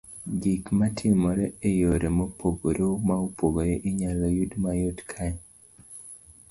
Gik ma timore e yore mopogore mopogore inyalo yud mayot kae.